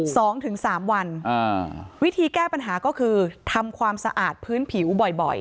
สองถึงสามวันอ่าวิธีแก้ปัญหาก็คือทำความสะอาดพื้นผิวบ่อยบ่อย